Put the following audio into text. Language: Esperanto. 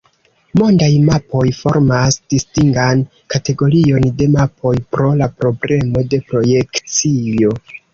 Mondaj mapoj formas distingan kategorion de mapoj pro la problemo de projekcio.